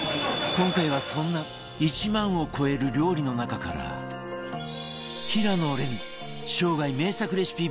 今回はそんな１万を超える料理の中から平野レミ生涯名作レシピ